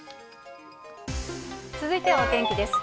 続いてはお天気です。